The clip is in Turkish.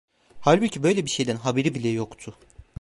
Halbuki böyle bir şeyden haberi bile yoktu…